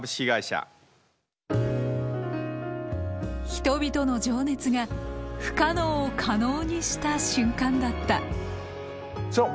人々の情熱が不可能を可能にした瞬間だった。